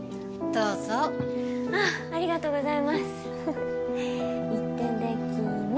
どうぞあっありがとうございますいただきます